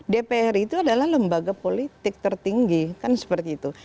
dpr itu adalah lembaga politik tertinggi kan seperti itu